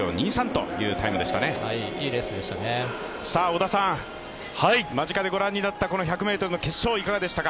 織田さん、間近で御覧になった１００ｍの決勝いかがでした？